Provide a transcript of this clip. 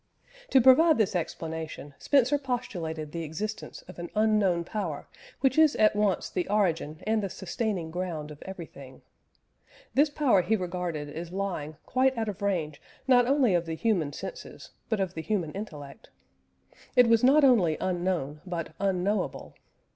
To provide this explanation, Spencer postulated the existence of an Unknown Power which is at once the origin and the sustaining ground of everything. This power he regarded as lying quite out of range not only of the human senses, but of the human intellect. It was not only unknown but unknowable.